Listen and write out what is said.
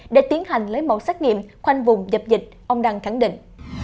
để tiến hành lấy mẫu xét nghiệm khoanh vùng dập dịch ông đăng khẳng định